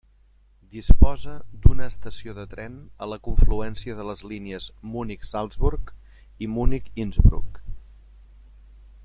Disposa d'una estació de tren a la confluència de les línies Munic–Salzburg i Munic–Innsbruck.